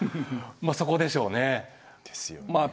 まあそこでしょうね。ですよねえ。